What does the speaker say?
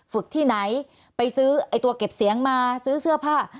ที่ไหนไปซื้อไอ้ตัวเก็บเสียงมาซื้อเสื้อผ้า